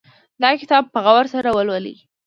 دا کتاب په غور سره ولولئ